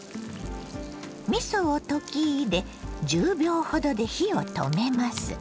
みそを溶き入れ１０秒ほどで火を止めます。